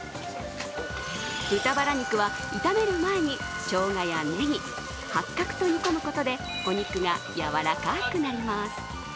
豚バラ肉は炒める前にしょうがやねぎ、八角と煮込むことでお肉がやわらかくなります。